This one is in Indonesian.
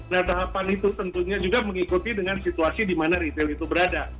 nah tahapan itu tentunya juga mengikuti dengan situasi di mana retail itu berada